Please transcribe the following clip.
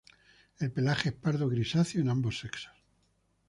El pelaje es pardo-grisáceo en ambos sexos.